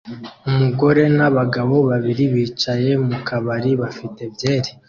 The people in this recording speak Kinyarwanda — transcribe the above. Umugore nabagabo babiri bicaye mukabari bafite byeri